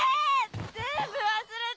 全部忘れて！